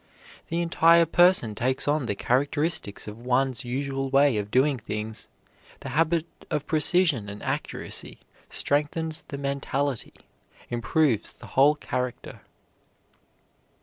The entire person takes on the characteristics of one's usual way of doing things. The habit of precision and accuracy strengthens the mentality, improves the whole character.